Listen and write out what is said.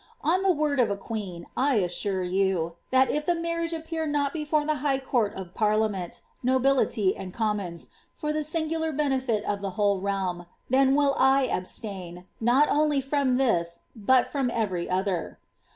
On the word of a queen, I assure you, that if the marriage appear not before the high court of parliament, nobility and commons, for tlie singular benefit of the whole realm, then will I abstain — not only from this, but from every other.